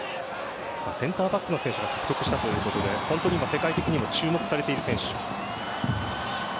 センターバックの選手が獲得したということで世界的にも注目されている選手。